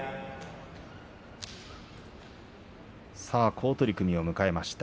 好取組を迎えました。